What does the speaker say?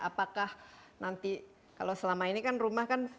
apakah nanti kalau selama ini kan rumah kan